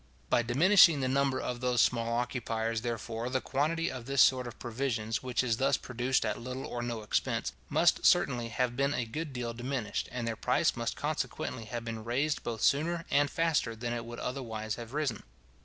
By diminishing the number of those small occupiers, therefore, the quantity of this sort of provisions, which is thus produced at little or no expense, must certainly have been a good deal diminished, and their price must consequently have been raised both sooner and faster than it would otherwise have risen.